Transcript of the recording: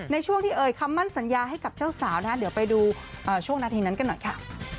ในช่วงที่เอ่ยคำมั่นสัญญาให้กับเจ้าสาวนะฮะเดี๋ยวไปดูช่วงนาทีนั้นกันหน่อยค่ะ